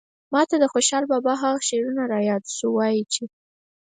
ماته د خوشال بابا هغه شعر راياد شو وايي چې